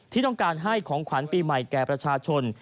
ที่ต้องการให้ของขวัญปีใหม่แก่ประชาชน